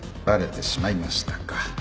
バレてしまいましたか